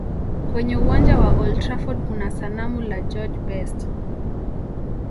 Kwenye uwanja wa old trafford kuna sanamu la george best